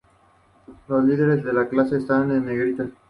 Los líderes de la clase están en negrita.